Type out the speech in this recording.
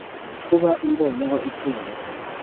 kuba imbonyeho ituro